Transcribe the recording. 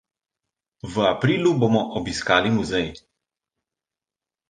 V aprilu bomo obiskali muzej.